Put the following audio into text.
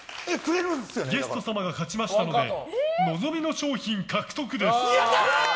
ゲスト様が勝ちましたので望みの賞品獲得です。